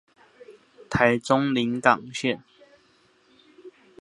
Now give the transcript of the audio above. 臺中臨港線